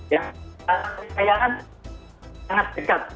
yang saya kan sangat dekat